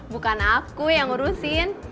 bukan aku yang ngurusin